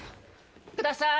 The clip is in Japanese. ください！